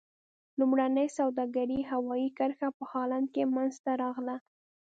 لومړنۍ سوداګرۍ هوایي کرښه په هالند کې منځته راغله.